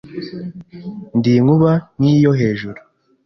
Ndi inkuba nk’iyo hejuru